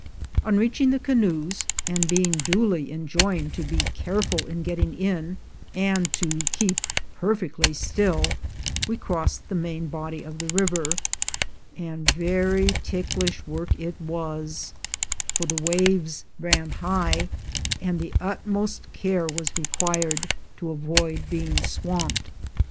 On reaching the canoes, and being duly enjoined to be careful in getting in and to keep per fectly still, we crossed the main body of the river; and very ticklish work it was, for the waves ran high, and the utmost care was required to avoid being swamped.